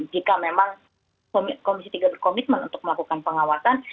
jika memang komisi tiga berkomitmen untuk melakukan pengawasan